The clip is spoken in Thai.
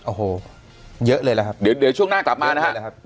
โอ้โหเยอะเลยแหละครับเดี๋ยวช่วงหน้ากลับมานะครับ